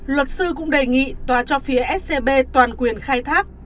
luật sư cũng đề nghị tòa cho phía scb toàn quyền khai thác